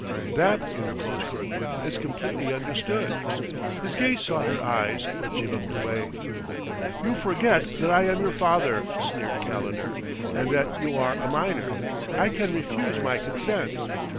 "That," interposed Kirkwood, "is completely understood." His gaze sought her eyes, but she looked away. "You forget that I am your father," sneered Calendar; "and that you are a minor. I can refuse my consent."